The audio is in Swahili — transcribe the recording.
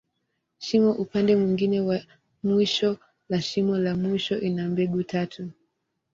Shimo upande mwingine ya mwisho la shimo la mwisho, ina mbegu tatu.